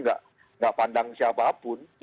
tidak pandang siapa pun